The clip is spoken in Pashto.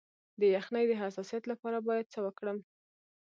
د یخنۍ د حساسیت لپاره باید څه وکړم؟